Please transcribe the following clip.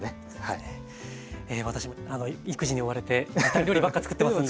私も育児に追われてインスタント料理ばっかつくってますんで。